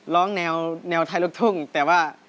ร้องแนวไทยลูกทุ่งแต่ว่า